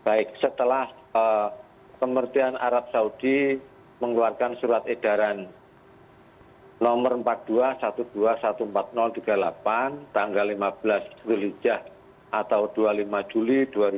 baik setelah pemerintahan arab saudi mengeluarkan surat edaran nomor empat puluh dua satu empat puluh tiga puluh delapan tanggal lima belas julijah atau dua puluh lima juli dua ribu dua puluh